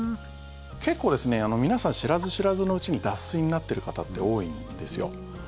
結構、皆さん知らず知らずのうちに脱水になってる方って多いんですよ。